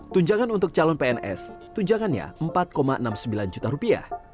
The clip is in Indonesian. tunjangan untuk calon pns tunjangannya empat enam puluh sembilan juta rupiah